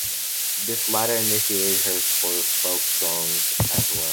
This latter initiated her for folk song as well.